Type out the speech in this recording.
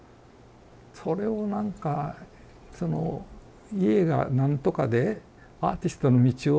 それをなんかその家がなんとかでアーティストの道をやめる。